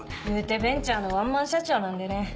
いうてベンチャーのワンマン社長なんでね。